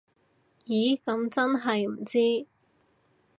咦噉真係唔知